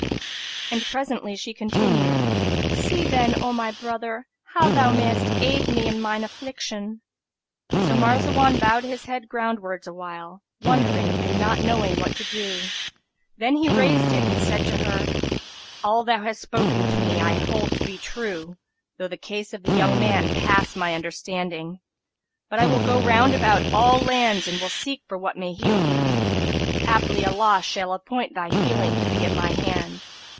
And presently she continued, "See then, O my brother, how thou mayest aid me in mine affliction." So Marzawan bowed his head ground wards awhile, wondering and not knowing what to do, then he raised it and said to her, "All thou hast spoken to me I hold to be true, though the case of the young man pass my understanding: but I will go round about all lands and will seek for what may heal thee; haply Allah shall appoint thy healing to be at my hand.